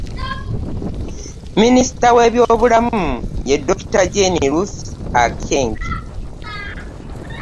Minisita w'ebyobulamu, ye Dokita Jane Ruth Aceng